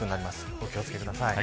お気を付けください。